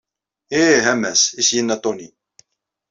Ih, a mass, i s-yenna Tony.